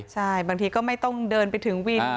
ใช่บางทีก็ไม่ต้องเดินไปถึงวิน